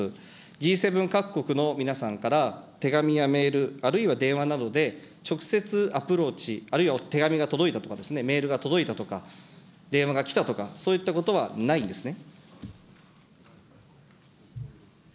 Ｇ７各国の皆さんから、手紙やメール、あるいは電話などで直接アプローチ、あるいは手紙が届いたとか、メールが届いたとか、電話が来たとか、そういったことはないんですね。